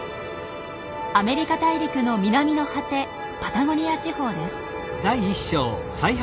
アメリカ大陸の南の果てパタゴニア地方です。